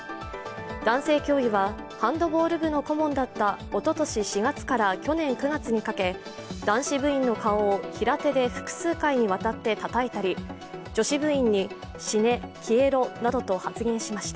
男性教諭は、ハンドボール部の顧問だったおととし４月から去年９月にかけ男子部員の顔を平手で複数回にわたってたたいたり、女子部員に「死ね」「消えろ」などと発言しました。